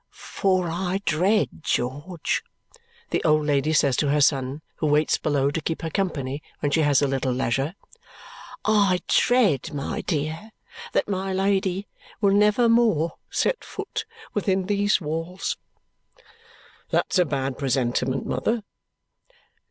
"For I dread, George," the old lady says to her son, who waits below to keep her company when she has a little leisure, "I dread, my dear, that my Lady will never more set foot within these walls." "That's a bad presentiment, mother."